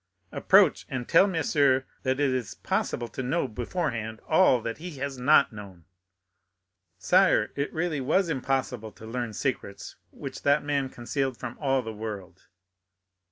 "Approach, and tell monsieur that it is possible to know beforehand all that he has not known." "Sire, it was really impossible to learn secrets which that man concealed from all the world."